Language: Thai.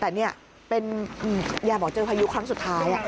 แต่นี่เป็นยายบอกเจอพายุครั้งสุดท้าย